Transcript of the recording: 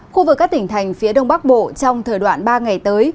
khu vực các tỉnh thành phía đông bắc bộ trong thời đoạn ba ngày tới